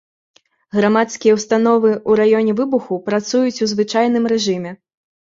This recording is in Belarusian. Грамадскія ўстановы ў раёне выбуху працуюць у звычайным рэжыме.